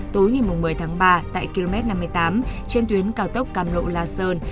tối ngày một mươi tháng ba tại km năm mươi tám trên tuyến cao tốc cam lộ la sơn